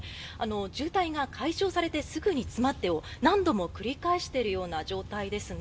渋滞が解消されてすぐに詰まってを何度も繰り返しているような状態ですね。